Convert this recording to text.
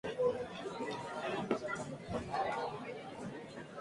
そのうちに召使の一人が、私をズボンのポケットに入れて、無事に下までおろしてくれました。